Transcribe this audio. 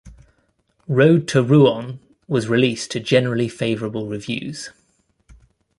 "Road to Rouen" was released to generally favourable reviews.